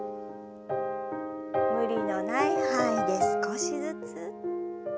無理のない範囲で少しずつ。